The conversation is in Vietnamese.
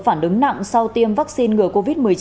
phản ứng nặng sau tiêm vaccine ngừa covid một mươi chín